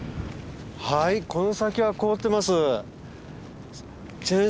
はいこの先は凍ってます。